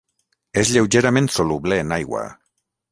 És lleugerament soluble en aigua.